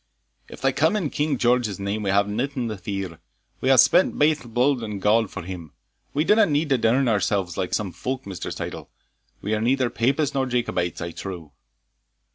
"If they come in King George's name, we have naething to fear we hae spent baith bluid and gowd for him We dinna need to darn ourselves like some folks, Mr. Syddall we are neither Papists nor Jacobites, I trow."